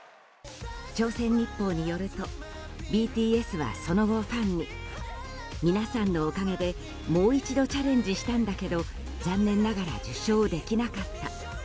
朝鮮日報によるとＢＴＳはその後、ファンに皆さんのおかげでもう一度チャレンジしたんだけど残念ながら受賞できなかった。